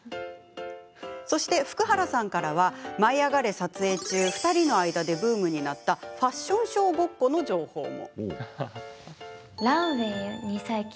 そして、福原さんからは「舞いあがれ！」の撮影中２人の間でブームになったファッションショーごっこの情報も。